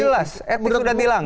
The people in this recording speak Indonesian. oh jelas etik sudah hilang